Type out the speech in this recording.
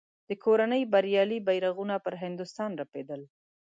د کورنۍ بریالي بیرغونه پر هندوستان رپېدل.